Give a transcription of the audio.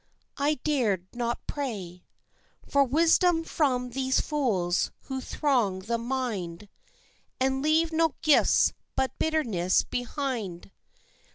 I dared not pray For wisdom from these fools who throng the mind And leave no gifts but bitterness behind.